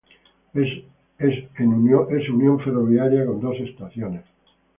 Es unión ferroviaria con dos estaciones.